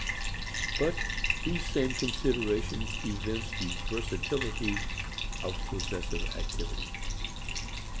But these same considerations evince the versatility of possessive activity.